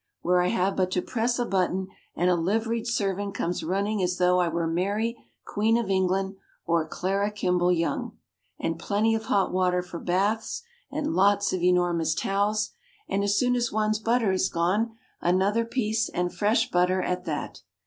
Where I have but to press a button and a liveried servant comes running as though I were Mary, Queen of England, or Clara Kimball Young. And plenty of hot water for baths and lots of enormous towels and, as soon as one's butter is gone, another piece, and fresh butter at that.